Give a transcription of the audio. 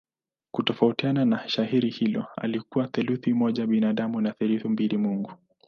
Kufuatana na shairi hilo alikuwa theluthi moja binadamu na theluthi mbili mungu.